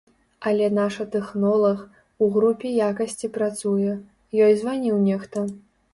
Але наша тэхнолаг, у групе якасці працуе, ёй званіў нехта.